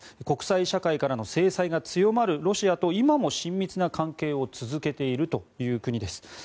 国際社会からの制裁が強まるロシアと今も親密な関係を続けているという国です。